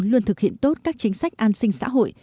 luôn thực hiện tốt các chính sách an sinh xã hội